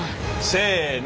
せの。